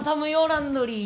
ランドリー